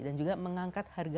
dan juga mengangkat harga